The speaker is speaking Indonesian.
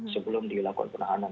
sebelum dilakukan penahanan